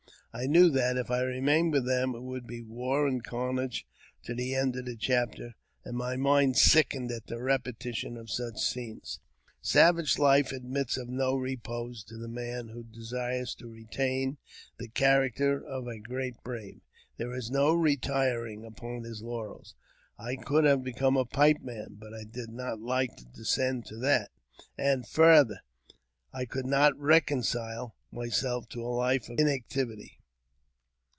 I knew that, if I remained with them, [it would be war and carnage to the end of the chapter, and ly mind sickened at the repetition of such scenes. Savage life admits of no repose to the man who desires to retain the iharacter of a great brave ; there is no retiring upon your burels. I could have become a pipe man, but I did not Uke 334 AUTOBIOGRAPHY OF JAMES P. BECKWOUBTH. to descend to that ; and, farther, I could not reconcile myself to a life of inactivity.